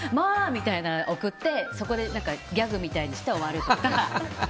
みたいなの送ってそこでギャグみたいにして終わります。